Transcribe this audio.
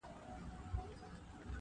o زه شاعر سړی یم بې الفاظو نور څه نلرم,